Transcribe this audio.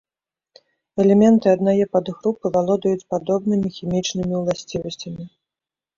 Элементы аднае падгрупы валодаюць падобнымі хімічнымі ўласцівасцямі.